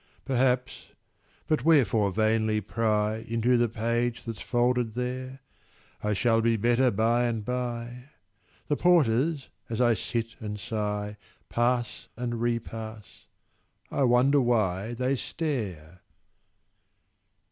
Perhaps—but wherefore vainly pry Into the page that's folded there? I shall be better by and by: The porters, as I sit and sigh, Pass and repass—I wonder why They stare!